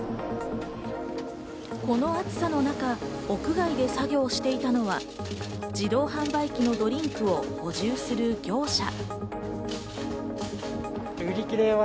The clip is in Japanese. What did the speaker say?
この暑さの中、屋外で作業をしていたのは、自動販売機のドリンクを補充する業者。